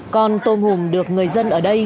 con tôm hùm được người dân ở đây